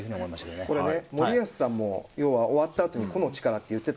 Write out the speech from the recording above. これね森保さんも終わったあとに個の力と言っていて。